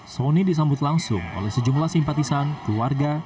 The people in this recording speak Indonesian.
soni disambut langsung oleh sejumlah simpatisan keluarga